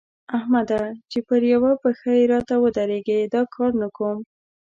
احمده! چې پر يوه پښه هم راته ودرېږي؛ دا کار نه کوم.